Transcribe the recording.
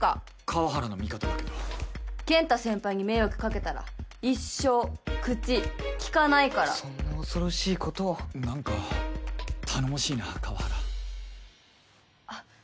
川原の味方だけど健太先輩に迷惑かけたら一生口きかないからそんな恐ろしいことを何か頼もしいな川原あ